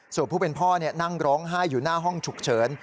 ส่วนผู้เป็นพ่อนั่งร้องไห้อยู่หน้าห้องฉุกเฉิน